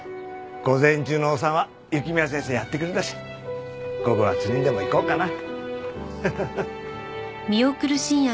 午前中のお産は雪宮先生やってくれたし午後は釣りにでも行こうかな。